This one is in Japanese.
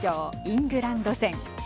イングランド戦。